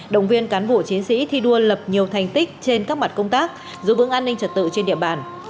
động viên cán bộ chiến sĩ thi đua lập nhiều thành tích trên các mặt công tác giữ vững an ninh trật tự trên địa bàn